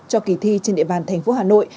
cho kỳ thi trên địa bàn thành phố hà nội